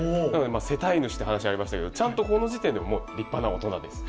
世帯主って話がありましたけどちゃんとこの時点でもう立派な大人です。